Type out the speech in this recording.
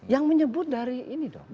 yang menyebut dari ini dong